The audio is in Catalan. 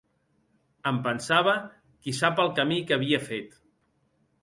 Em pensava qui sap el camí que havia fet